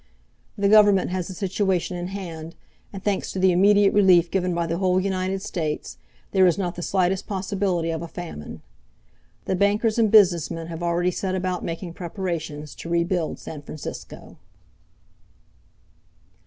The Government has the situation in hand, and, thanks to the immediate relief given by the whole United States, there is not the slightest possibility of a famine. The bankers and business men hare already set about making preparations to rebuild San Francisco.